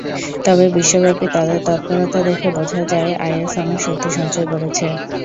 তবে বিশ্বব্যাপী তাদের তৎপরতা দেখে বোঝা যায়, আইএস অনেক শক্তি সঞ্চয় করেছে।